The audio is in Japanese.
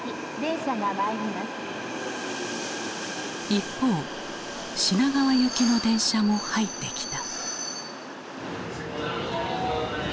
一方品川行きの電車も入ってきた。